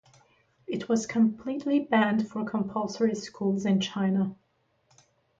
It was completely banned for compulsory schools in China.